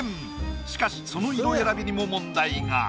しかしその色選びにも問題が。